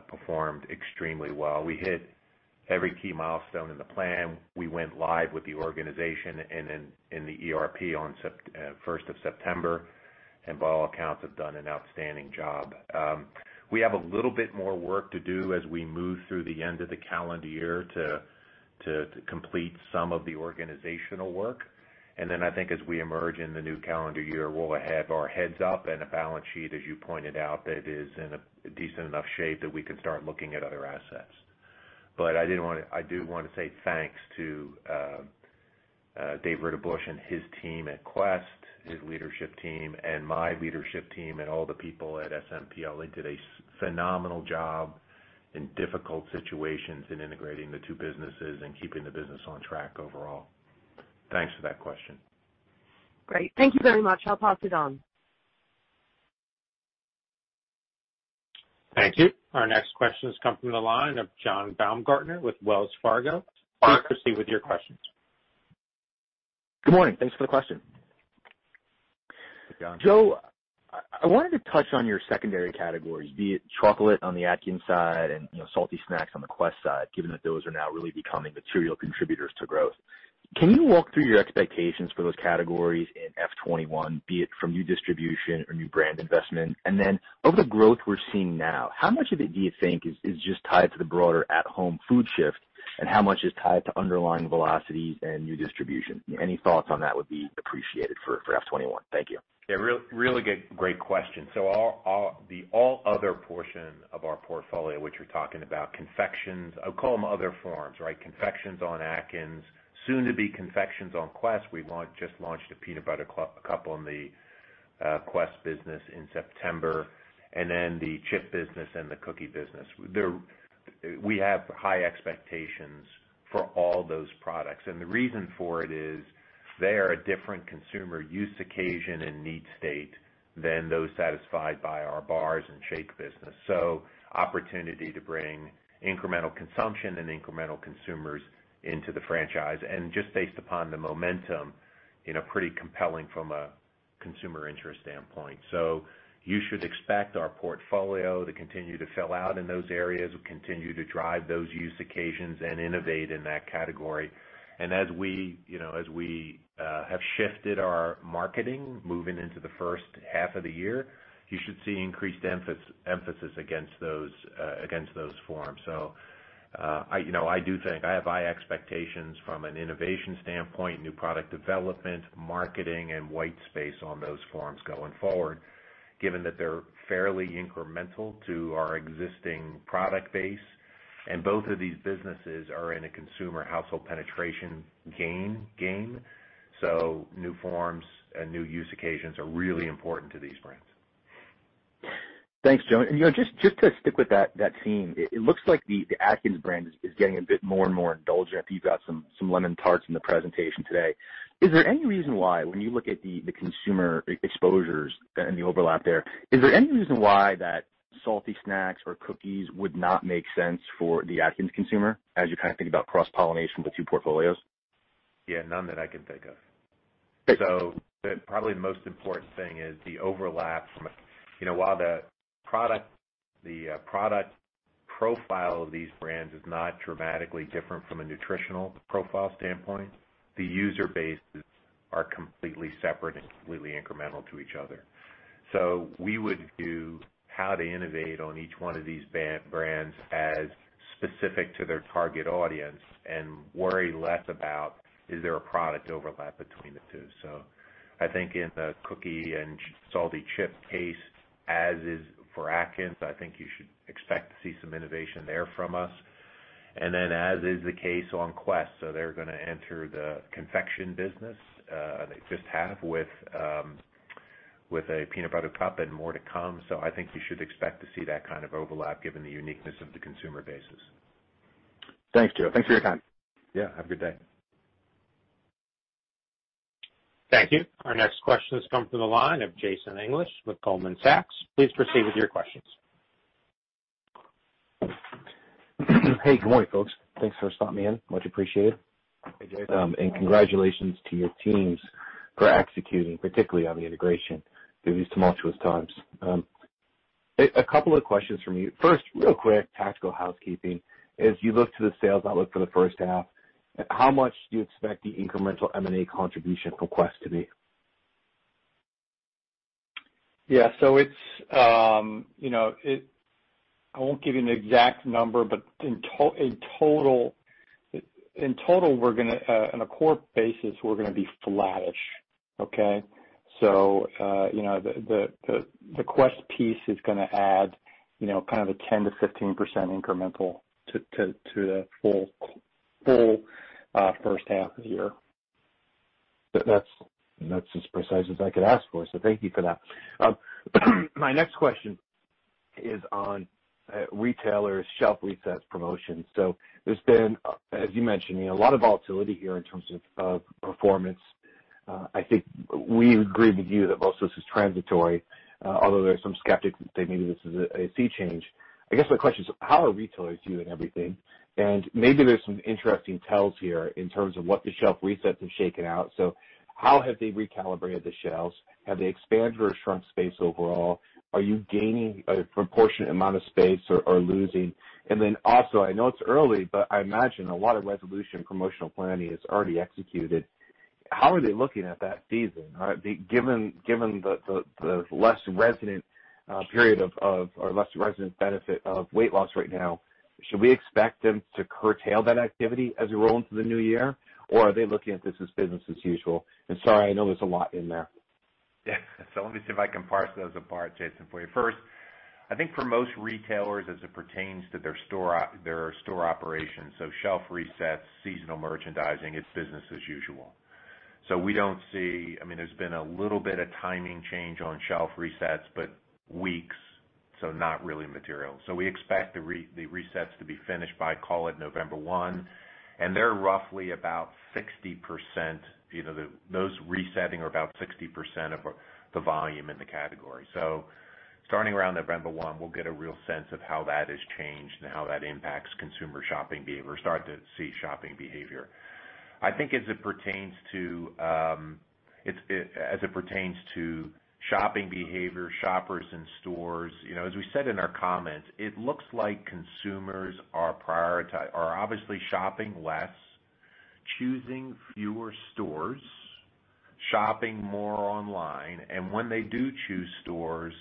performed extremely well. We hit every key milestone in the plan. We went live with the organization and in the ERP on the 1st of September, and by all accounts have done an outstanding job. We have a little bit more work to do as we move through the end of the calendar year to complete some of the organizational work. Then I think as we emerge in the new calendar year, we'll have our heads up and a balance sheet, as you pointed out, that is in a decent enough shape that we can start looking at other assets. I do want to say thanks to Dave Ritterbush and his team at Quest, his leadership team, and my leadership team, and all the people at SMPL. They did a phenomenal job in difficult situations in integrating the two businesses and keeping the business on track overall. Thanks for that question. Great. Thank you very much. I'll pass it on. Thank you. Our next question has come from the line of John Baumgartner with Wells Fargo. Please proceed with your questions. Good morning. Thanks for the question. Hey, John. Joe, I wanted to touch on your secondary categories, be it chocolate on the Atkins side and salty snacks on the Quest side, given that those are now really becoming material contributors to growth. Can you walk through your expectations for those categories in FY 2021, be it from new distribution or new brand investment? Of the growth we're seeing now, how much of it do you think is just tied to the broader at-home food shift, and how much is tied to underlying velocities and new distribution? Any thoughts on that would be appreciated for FY 2021. Thank you. Yeah, really great question. The all other portion of our portfolio, which you're talking about confections I'll call them other forms, confections on Atkins, soon to be confections on Quest. We just launched a peanut butter cup on the Quest business in September, and then the chip business and the cookie business. We have high expectations for all those products, and the reason for it is they are a different consumer use occasion and need state than those satisfied by our bars and shake business. Opportunity to bring incremental consumption and incremental consumers into the franchise, and just based upon the momentum, pretty compelling from a consumer interest standpoint. You should expect our portfolio to continue to fill out in those areas. We'll continue to drive those use occasions and innovate in that category. As we have shifted our marketing moving into the first half of the year, you should see increased emphasis against those forms. I have high expectations from an innovation standpoint, new product development, marketing, and white space on those forms going forward, given that they're fairly incremental to our existing product base and both of these businesses are in a consumer household penetration gain. New forms and new use occasions are really important to these brands. Thanks, Joe. Just to stick with that theme, it looks like the Atkins brand is getting a bit more and more indulgent. You've got some lemon tarts in the presentation today. Is there any reason why, when you look at the consumer exposures and the overlap there, is there any reason why that salty snacks or cookies would not make sense for the Atkins consumer, as you kind of think about cross-pollination with two portfolios? Yeah, none that I can think of. Great. Probably the most important thing is the overlap from a while the product profile of these brands is not dramatically different from a nutritional profile standpoint, the user bases are completely separate and completely incremental to each other. We would view how to innovate on each one of these brands as specific to their target audience and worry less about, is there a product overlap between the two. I think in the cookie and salty chip case, as is for Atkins, I think you should expect to see some innovation there from us. As is the case on Quest, so they're going to enter the confection business. They just have with a peanut butter cup and more to come. I think you should expect to see that kind of overlap given the uniqueness of the consumer bases. Thanks, Joe. Thanks for your time. Yeah, have a good day. Thank you. Our next question has come from the line of Jason English with Goldman Sachs. Please proceed with your questions. Hey, good morning, folks. Thanks for slotting me in. Much appreciated. Hey, Jason. Congratulations to your teams for executing, particularly on the integration through these tumultuous times. A couple of questions from me. First, real quick, tactical housekeeping. As you look to the sales outlook for the first half, how much do you expect the incremental M&A contribution from Quest to be? Yeah. I won't give you an exact number, but in total, on a core basis, we're going to be flattish. Okay? The Quest piece is going to add kind of a 10%-15% incremental to the full first half of the year. That's as precise as I could ask for, so thank you for that. My next question is on retailers' shelf resets promotions. There's been, as you mentioned, a lot of volatility here in terms of performance. I think we agree with you that most of this is transitory, although there are some skeptics that say maybe this is a sea change. I guess my question is, how are retailers doing with everything? Maybe there's some interesting tells here in terms of what the shelf resets have shaken out. How have they recalibrated the shelves? Have they expanded or shrunk space overall? Are you gaining a proportionate amount of space or losing? Then also, I know it's early, but I imagine a lot of resolution promotional planning is already executed. How are they looking at that season? Given the less resonant period or less resonant benefit of weight loss right now, should we expect them to curtail that activity as we roll into the new year? Or are they looking at this as business as usual? Sorry, I know there's a lot in there. Let me see if I can parse those apart, Jason, for you. First, I think for most retailers as it pertains to their store operations, so shelf resets, seasonal merchandising, it's business as usual. There's been a little bit of timing change on shelf resets, but not really material. We expect the resets to be finished by, call it November 1, and they're roughly about 60%. Those resetting are about 60% of the volume in the category. Starting around November 1, we'll get a real sense of how that has changed and how that impacts consumer shopping behavior. I think as it pertains to shopping behavior, shoppers in stores, as we said in our comments, it looks like consumers are obviously shopping less, choosing fewer stores, shopping more online, and when they do choose stores,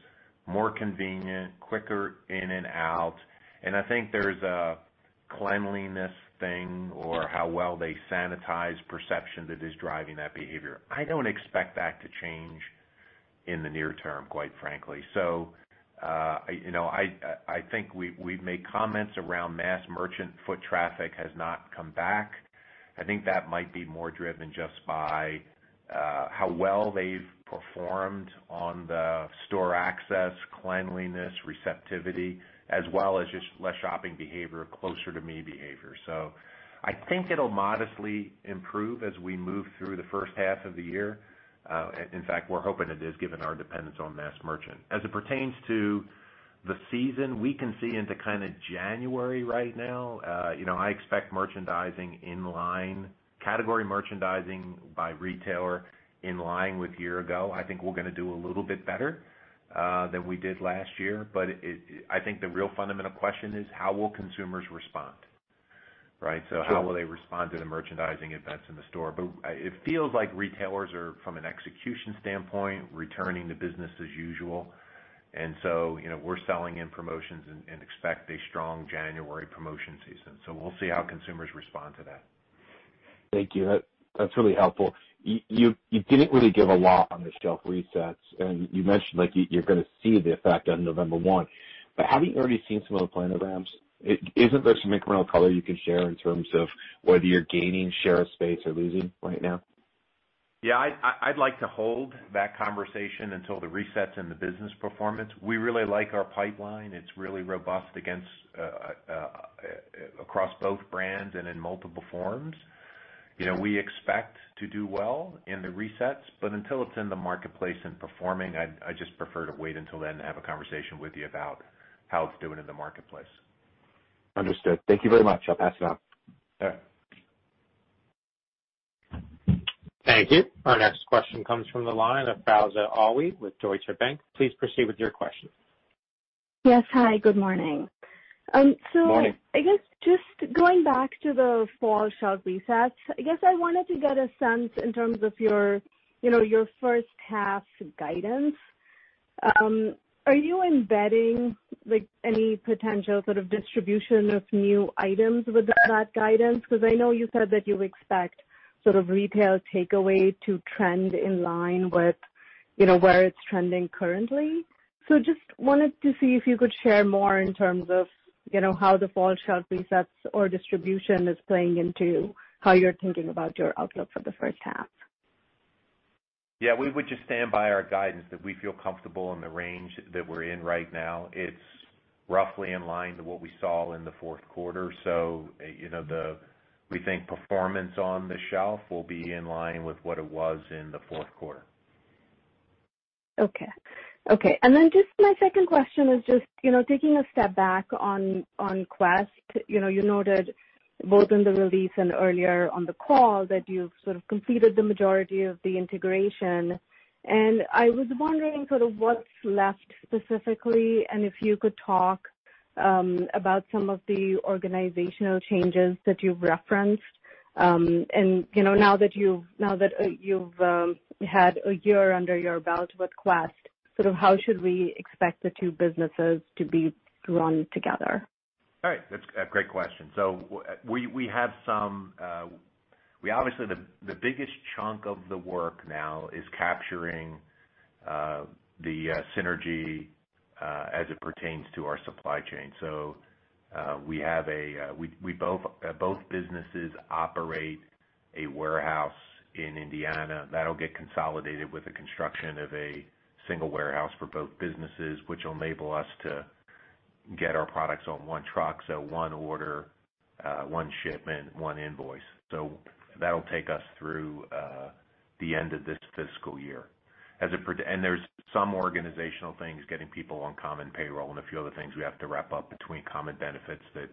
more convenient, quicker in and out. I think there's a cleanliness thing or how well they sanitize perception that is driving that behavior. I don't expect that to change in the near term, quite frankly. I think we've made comments around mass merchant foot traffic has not come back. I think that might be more driven just by how well they've performed on the store access, cleanliness, receptivity, as well as just less shopping behavior, closer to me behavior. I think it'll modestly improve as we move through the first half of the year. In fact, we're hoping it is, given our dependence on mass merchant. As it pertains to the season, we can see into kind of January right now. I expect category merchandising by retailer in line with year-ago. I think we're going to do a little bit better than we did last year. I think the real fundamental question is how will consumers respond, right? How will they respond to the merchandising events in the store? It feels like retailers are, from an execution standpoint, returning to business as usual. We're selling in promotions and expect a strong January promotion season. We'll see how consumers respond to that. Thank you. That's really helpful. You didn't really give a lot on the shelf resets, and you mentioned you're going to see the effect on November 1. Haven't you already seen some of the planograms? Isn't there some incremental color you can share in terms of whether you're gaining share of space or losing right now? Yeah, I'd like to hold that conversation until the resets and the business performance. We really like our pipeline. It's really robust across both brands and in multiple forms. We expect to do well in the resets, until it's in the marketplace and performing, I'd just prefer to wait until then to have a conversation with you about how it's doing in the marketplace. Understood. Thank you very much. I'll pass it on. Sure. Thank you. Our next question comes from the line of Faiza Alwy with Deutsche Bank. Please proceed with your question. Yes. Hi, good morning. Morning. I guess just going back to the fall shelf resets, I guess I wanted to get a sense in terms of your first half guidance. Are you embedding any potential sort of distribution of new items with that guidance? Because I know you said that you expect sort of retail takeaway to trend in line with where it's trending currently, just wanted to see if you could share more in terms of how the fall shelf resets or distribution is playing into how you're thinking about your outlook for the first half? Yeah. We would just stand by our guidance that we feel comfortable in the range that we're in right now. It's roughly in line to what we saw in the fourth quarter. We think performance on the shelf will be in line with what it was in the fourth quarter. Okay. Just my second question was just taking a step back on Quest. You noted both in the release and earlier on the call that you've sort of completed the majority of the integration, and I was wondering sort of what's left specifically, and if you could talk about some of the organizational changes that you've referenced. Now that you've had a year under your belt with Quest, sort of how should we expect the two businesses to be run together? All right. That's a great question. Obviously, the biggest chunk of the work now is capturing the synergy as it pertains to our supply chain. Both businesses operate a warehouse in Indiana. That'll get consolidated with the construction of a single warehouse for both businesses, which will enable us to get our products on one truck. One order, one shipment, one invoice. That'll take us through the end of this fiscal year. There's some organizational things, getting people on common payroll and a few other things we have to wrap up between common benefits that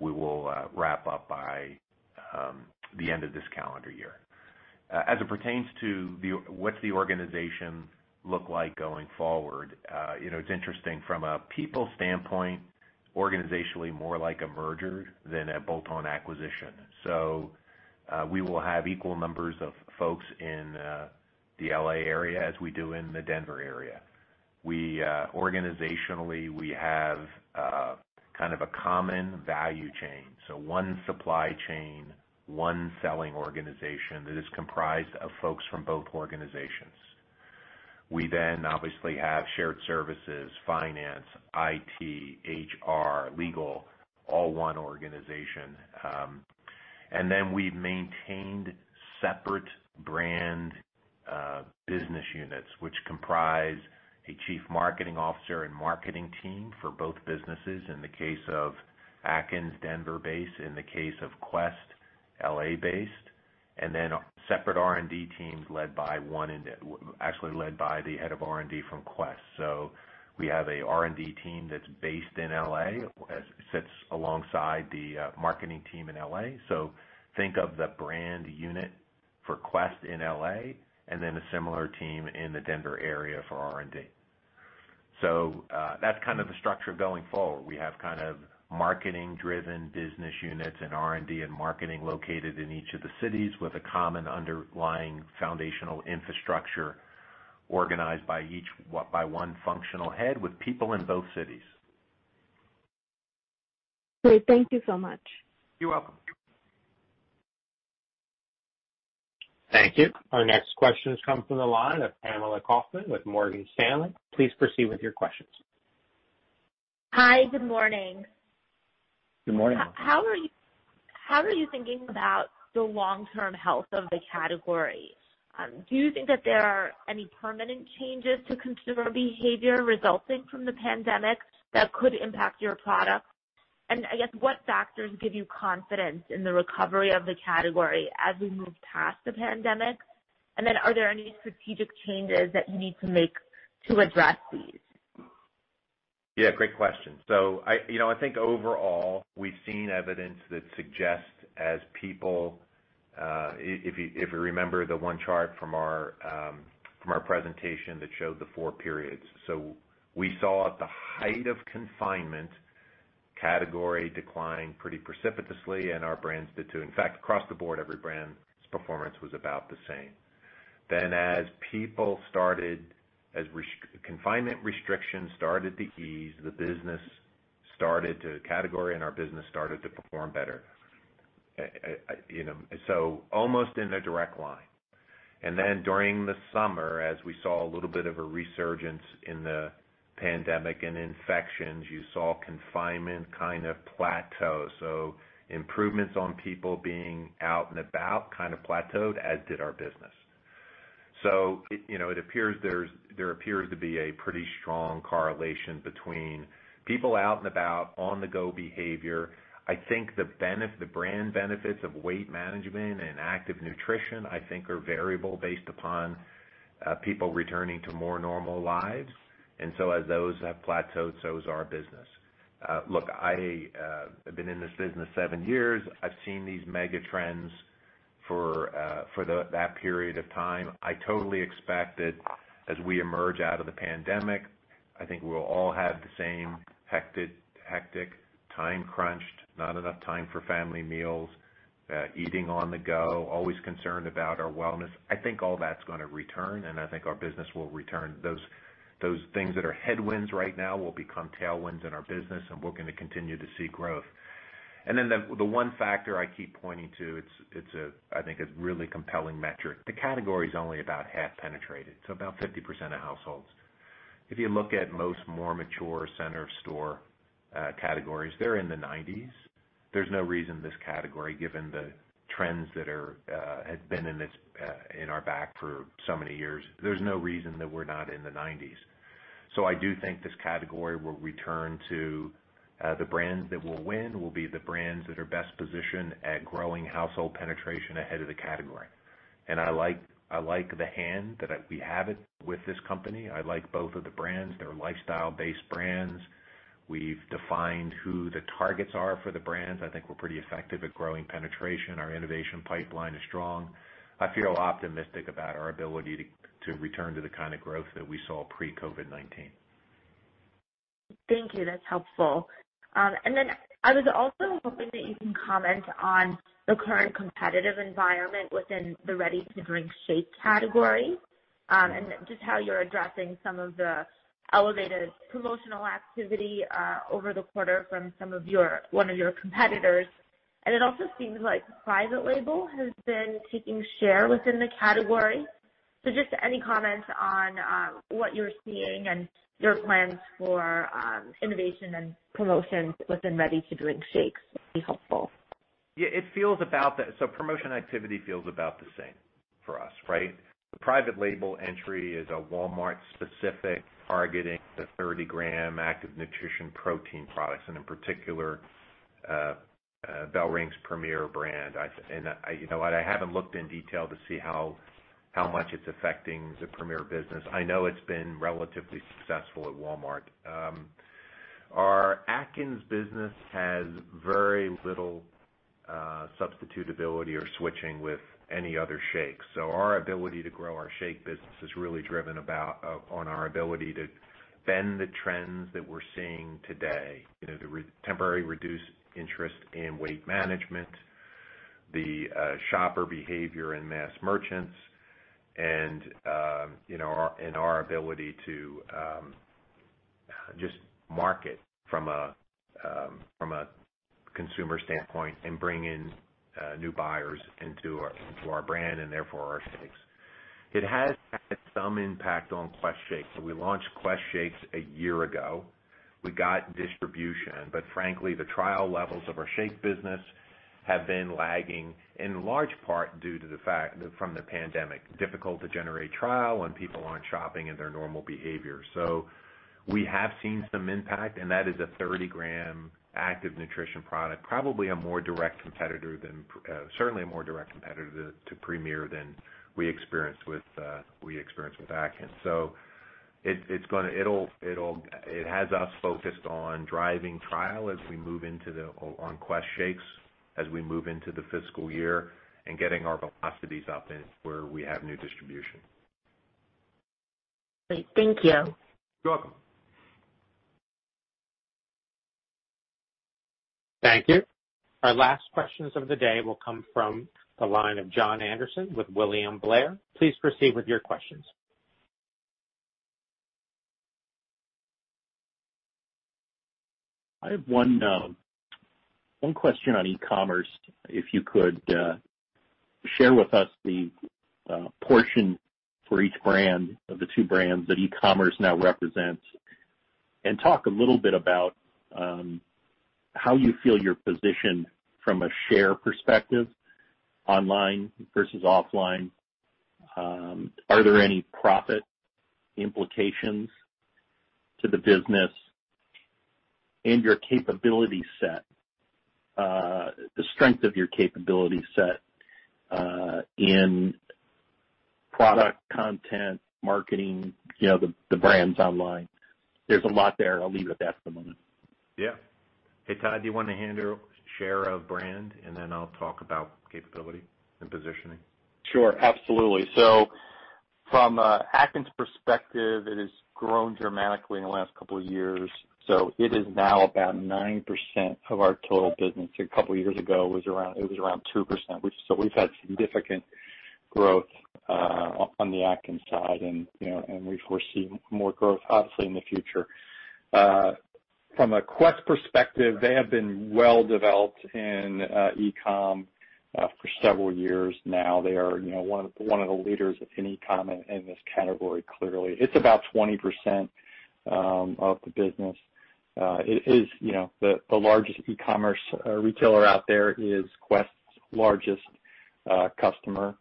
we will wrap up by the end of this calendar year. As it pertains to what's the organization look like going forward, it's interesting from a people standpoint, organizationally more like a merger than a bolt-on acquisition. We will have equal numbers of folks in the L.A. area as we do in the Denver area. Organizationally, we have kind of a common value chain. One supply chain, one selling organization that is comprised of folks from both organizations. We then obviously have shared services, finance, IT, HR, legal, all one organization. Then we've maintained separate brand business units, which comprise a chief marketing officer and marketing team for both businesses. In the case of Atkins, Denver-based, in the case of Quest, L.A.-based, and then separate R&D teams led by the head of R&D from Quest. We have a R&D team that's based in L.A., sits alongside the marketing team in L.A. Think of the brand unit for Quest in L.A. and then a similar team in the Denver area for R&D. That's kind of the structure going forward. We have kind of marketing-driven business units and R&D and marketing located in each of the cities with a common underlying foundational infrastructure organized by one functional head with people in both cities. Great. Thank you so much. You're welcome. Thank you. Our next question comes from the line of Pamela Kaufman with Morgan Stanley. Please proceed with your questions. Hi. Good morning. Good morning. How are you thinking about the long-term health of the category? Do you think that there are any permanent changes to consumer behavior resulting from the pandemic that could impact your product? I guess, what factors give you confidence in the recovery of the category as we move past the pandemic? Are there any strategic changes that you need to make to address these? Yeah, great question. I think overall, we've seen evidence that suggests as people, if you remember the one chart from our presentation that showed the four periods. We saw at the height of confinement, category decline pretty precipitously, and our brands did too. In fact, across the board, every brand's performance was about the same. As confinement restrictions started to ease, the category and our business started to perform better. Almost in a direct line. During the summer, as we saw a little bit of a resurgence in the pandemic and infections, you saw confinement kind of plateau. Improvements on people being out and about kind of plateaued, as did our business. There appears to be a pretty strong correlation between people out and about on-the-go behavior. I think the brand benefits of weight management and active nutrition, I think are variable based upon people returning to more normal lives. As those have plateaued, so has our business. Look, I have been in this business seven years. I've seen these mega trends for that period of time. I totally expect that as we emerge out of the pandemic, I think we'll all have the same hectic, time-crunched, not enough time for family meals, eating on the go, always concerned about our wellness. I think all that's gonna return, and I think our business will return. Those things that are headwinds right now will become tailwinds in our business, and we're going to continue to see growth. The one factor I keep pointing to, it's a really compelling metric. The category is only about half penetrated, so about 50% of households. If you look at most more mature center-of-store categories, they're in the 90s. There's no reason this category, given the trends that had been in our back for so many years, there's no reason that we're not in the 90s. I do think this category will return to. The brands that will win will be the brands that are best positioned at growing household penetration ahead of the category. I like the hand that we have it with this company. I like both of the brands. They're lifestyle-based brands. We've defined who the targets are for the brands. I think we're pretty effective at growing penetration. Our innovation pipeline is strong. I feel optimistic about our ability to return to the kind of growth that we saw pre-COVID-19. Thank you. That's helpful. I was also hoping that you can comment on the current competitive environment within the ready-to-drink shake category, and just how you're addressing some of the elevated promotional activity over the quarter from one of your competitors. It also seems like private label has been taking share within the category. Just any comments on what you're seeing and your plans for innovation and promotions within ready-to-drink shakes would be helpful. Yeah. Promotion activity feels about the same for us, right. The private label entry is a Walmart-specific targeting the 30 g active nutrition protein products, and in particular, BellRing's Premier brand. I haven't looked in detail to see how much it's affecting the Premier business. I know it's been relatively successful at Walmart. Our Atkins business has very little substitutability or switching with any other shake. Our ability to grow our shake business is really driven on our ability to bend the trends that we're seeing today. The temporary reduced interest in weight management, the shopper behavior in mass merchants, and our ability to just market from a consumer standpoint and bring in new buyers into our brand and therefore our shakes. Some impact on Quest Shakes. We launched Quest Shakes a year ago. We got distribution, but frankly, the trial levels of our shake business have been lagging in large part due to the fact that from the pandemic, difficult to generate trial when people aren't shopping in their normal behavior. We have seen some impact, and that is a 30 g active nutrition product, certainly a more direct competitor to Premier than we experienced with Atkins. It has us focused on driving trial on Quest Shakes as we move into the fiscal year and getting our velocities up in where we have new distribution. Great. Thank you. You're welcome. Thank you. Our last questions of the day will come from the line of Jon Andersen with William Blair. Please proceed with your questions. I have one question on e-commerce if you could share with us the portion for each brand of the two brands that e-commerce now represents, and talk a little bit about how you feel you're positioned from a share perspective online versus offline. Are there any profit implications to the business and your capability set, the strength of your capability set in product content, marketing, the brands online? There's a lot there. I'll leave it at that for the moment. Yeah. Hey, Todd, do you want to handle share of brand, and then I'll talk about capability and positioning? Sure, absolutely. From Atkins perspective, it has grown dramatically in the last couple of years. It is now about 9% of our total business. A couple of years ago, it was around 2%. We've had significant growth on the Atkins side and we foresee more growth obviously in the future. From a Quest perspective, they have been well-developed in e-com for several years now. They are one of the leaders in e-com in this category clearly. It's about 20% of the business. The largest e-commerce retailer out there is Quest's largest customer.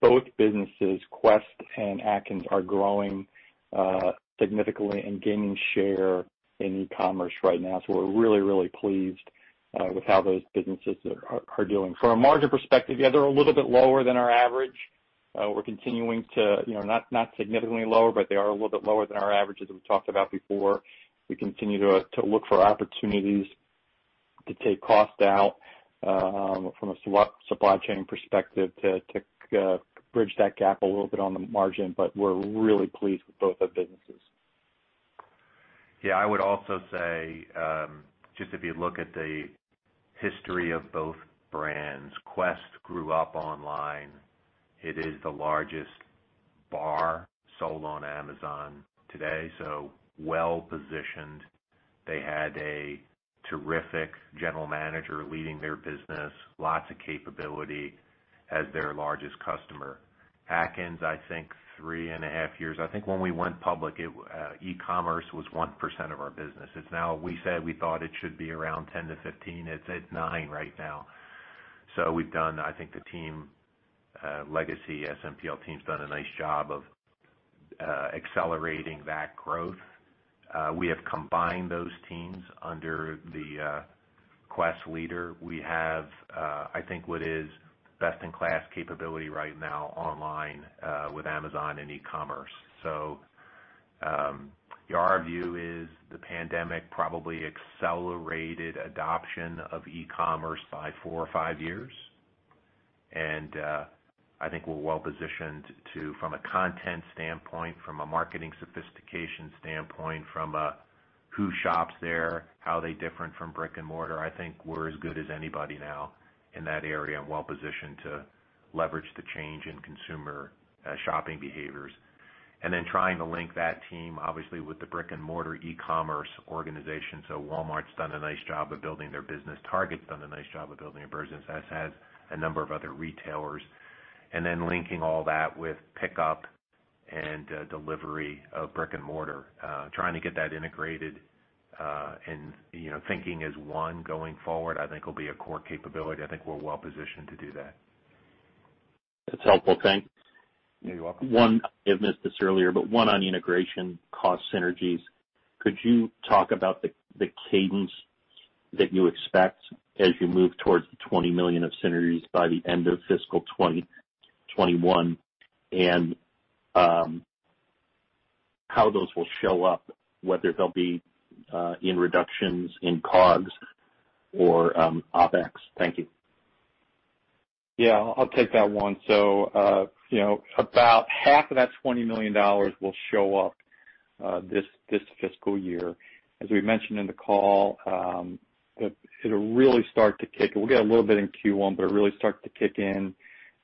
Both businesses, Quest and Atkins, are growing significantly and gaining share in e-commerce right now. We're really pleased with how those businesses are doing. From a margin perspective, yeah, they're a little bit lower than our average. Not significantly lower, they are a little bit lower than our averages we talked about before. We continue to look for opportunities to take cost out from a supply chain perspective to bridge that gap a little bit on the margin. We're really pleased with both the businesses. I would also say, just if you look at the history of both brands, Quest grew up online. It is the largest bar sold on Amazon today, well-positioned. They had a terrific general manager leading their business, lots of capability as their largest customer. Atkins, I think three and a half years. I think when we went public, e-commerce was 1% of our business. We said we thought it should be around 10%-15%. It's at 9% right now. I think the legacy SMPL team's done a nice job of accelerating that growth. We have combined those teams under the Quest leader. We have I think what is best-in-class capability right now online with Amazon and e-commerce. Our view is the pandemic probably accelerated adoption of e-commerce by four or five years. I think we're well-positioned from a content standpoint, from a marketing sophistication standpoint, from a who shops there, how they're different from brick and mortar. I think we're as good as anybody now in that area and well-positioned to leverage the change in consumer shopping behaviors. Trying to link that team obviously with the brick and mortar e-commerce organization. Walmart's done a nice job of building their business. Target's done a nice job of building a business, as has a number of other retailers. Linking all that with pickup and delivery of brick and mortar trying to get that integrated and thinking as one going forward, I think will be a core capability. I think we're well-positioned to do that. That's helpful. Thanks. You're welcome. One, I missed this earlier, but one on integration cost synergies. Could you talk about the cadence that you expect as you move towards the $20 million of synergies by the end of fiscal 2021 and how those will show up, whether they'll be in reductions in COGS or OpEx? Thank you. Yeah, I'll take that one. About half of that $20 million will show up this fiscal year. As we mentioned in the call, we'll get a little bit in Q1, but it'll really start to kick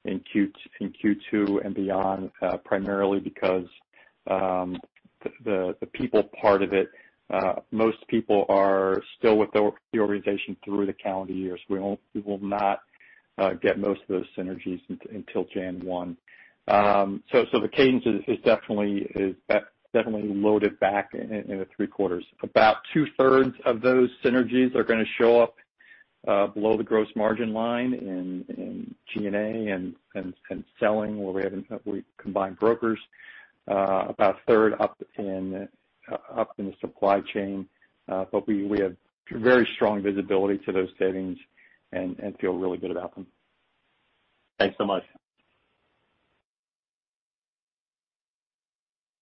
in Q2 and beyond primarily because the people part of it most people are still with the organization through the calendar year. We will not get most of those synergies until January 1. The cadence is definitely loaded back in the three quarters. About two-thirds of those synergies are going to show up below the gross margin line in G&A and selling where we combined brokers about a third up in the supply chain. We have very strong visibility to those savings and feel really good about them. Thanks so much.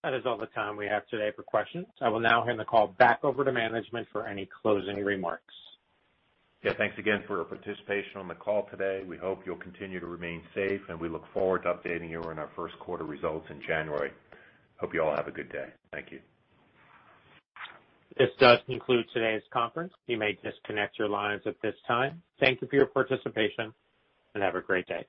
That is all the time we have today for questions. I will now hand the call back over to management for any closing remarks. Yeah. Thanks again for your participation on the call today. We hope you'll continue to remain safe, and we look forward to updating you on our first quarter results in January. Hope you all have a good day. Thank you. This does conclude today's conference. You may disconnect your lines at this time. Thank you for your participation, and have a great day.